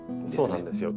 そうなんですよ。